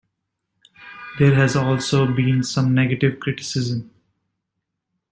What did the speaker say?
There has also been some negative criticism.